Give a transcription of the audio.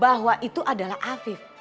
bahwa itu adalah afif